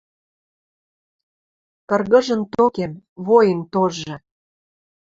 Кыргыжын токем... Воин тоже.